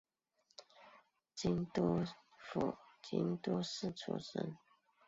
京都府京都市出身。